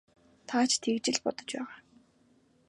Та ч тэгж л бодож байгаа.